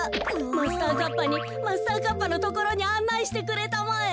マスターカッパーにマスターカッパーのところにあんないしてくれたまえ。